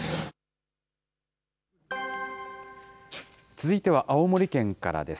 続いては青森県からです。